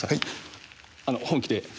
本気で。